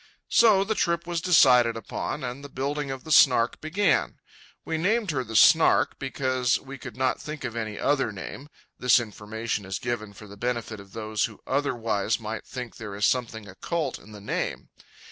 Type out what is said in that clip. So the trip was decided upon, and the building of the Snark began. We named her the Snark because we could not think of any other name—this information is given for the benefit of those who otherwise might think there is something occult in the name.